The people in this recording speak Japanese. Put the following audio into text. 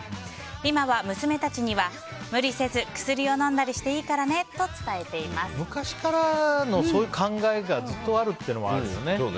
今は娘たちには、無理せず薬を飲んだりしていいからねと昔からのそういう考えがずっとあるっていうのもあるよね。